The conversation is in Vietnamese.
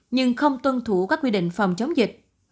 nhưng không tuân thủ các quy định phòng chống dịch